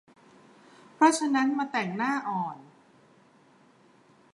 เพราะฉะนั้นมาแต่งหน้าอ่อน